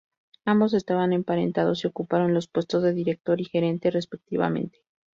Ambos estaban emparentados y ocuparon los puestos de Director y Gerente respectivamente.